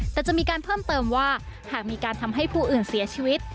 แต่จะมีการเพิ่มเติมว่าหากมีการทำให้ผู้อื่นเสียชีวิต